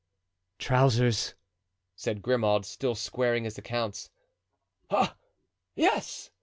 "Trousers," said Grimaud, still squaring his accounts. "Ah, yes!"